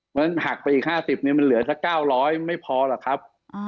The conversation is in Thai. เพราะฉะนั้นหักไปอีกห้าสิบมันเหลือสักเก้าร้อยไม่พอหรอกครับ